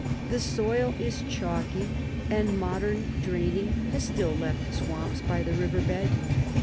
The soil is chalky, and modern draining has still left swamps by the river bed.